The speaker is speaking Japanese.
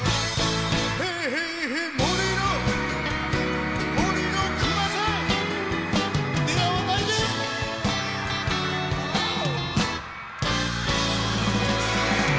ヘイヘイヘイ森の森の熊さん出会わないでオオ！